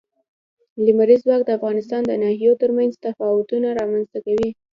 لمریز ځواک د افغانستان د ناحیو ترمنځ تفاوتونه رامنځ ته کوي.